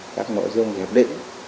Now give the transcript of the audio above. các nội dung hiệp định